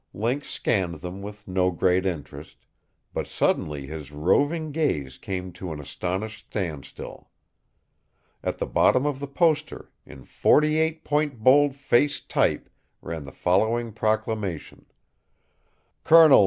Link scanned them with no great interest, But suddenly his roving gaze came to an astonished standstill. At the bottom of the poster, in forty eight point bold face type, ran the following proclamation: COL.